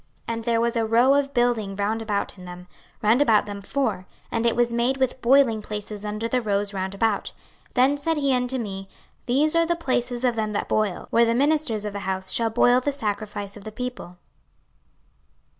26:046:023 And there was a row of building round about in them, round about them four, and it was made with boiling places under the rows round about. 26:046:024 Then said he unto me, These are the places of them that boil, where the ministers of the house shall boil the sacrifice of the people.